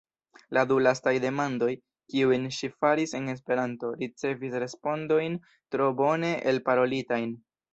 La du lastaj demandoj, kiujn ŝi faris en Esperanto, ricevis respondojn tro bone elparolitajn.